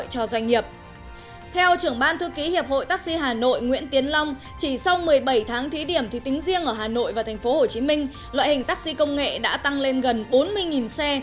sau một mươi bảy tháng thí điểm thì tính riêng ở hà nội và tp hcm loại hình taxi công nghệ đã tăng lên gần bốn mươi xe